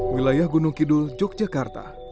wilayah gunung kidul yogyakarta